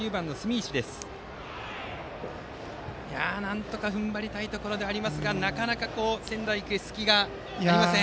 浦和学院はなんとか踏ん張りたいところですがなかなか仙台育英隙がありません。